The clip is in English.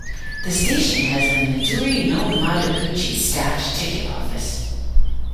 The station has a "Midori no Madoguchi" staffed ticket office.